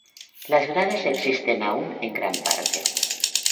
Las gradas existen aún en gran parte.